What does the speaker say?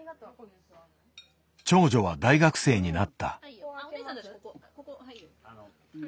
長女は大学生になった。